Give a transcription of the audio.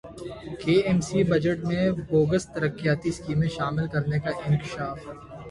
کے M C budget میں bogus ترقیاتی اسکیمیں شامل کرنیکا انکشاف